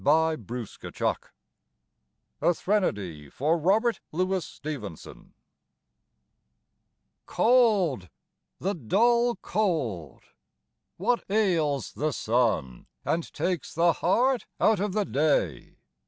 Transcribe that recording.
A SEAMARK A Threnody for Robert Louis Stevenson Cold, the dull cold! What ails the sun, And takes the heart out of the day?